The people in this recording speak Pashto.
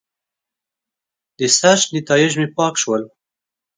د سرچ نیتایج مې پاک شول.